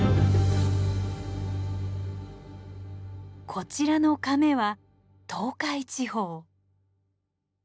こちらのかめは東海地方。